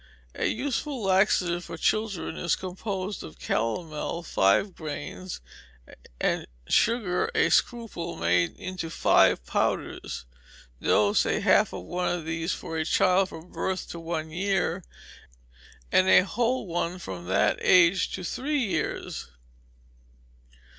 A useful laxative for children is composed of calomel five grains, and sugar a scruple, made into five powders. Dose, half of one of these for a child from birth to one year, and a whole one from that age to three years.